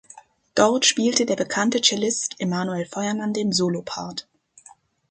Dort spielte der bekannte Cellist Emanuel Feuermann den Solopart.